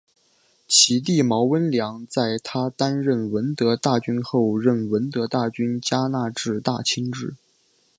其弟毛温良在她担任闻得大君后任闻得大君加那志大亲职。